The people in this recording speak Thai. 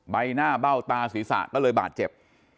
ใบหน้าเบ้าตาศีรษะก็เลยบาดเจ็บ